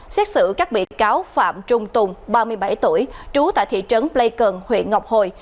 xét xử các bị cáo phạm trung tùng ba mươi bảy tuổi trú tại thị trấn pleikon huyện ngọc hồi